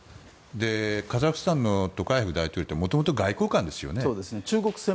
カザフスタンのトカエフ大統領ってもともと外交官ですよね。